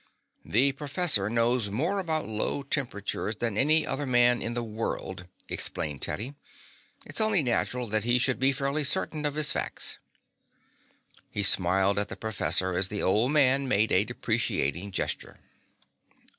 "The professor knows more about low temperatures than any other man in the world," explained Teddy. "It's only natural that he should be fairly certain of his facts." He smiled at the professor as the old man made a deprecating gesture.